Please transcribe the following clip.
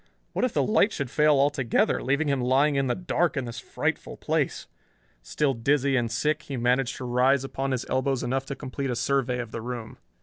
What if the light should fail altogether, leaving him lying in the dark in this frightful place! Still dizzy and sick, he managed to rise upon his elbows enough to complete a survey of the room.